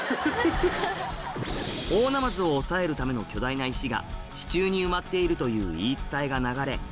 大ナマズを抑えるための巨大な石が地中に埋まっているという言い伝えが流れ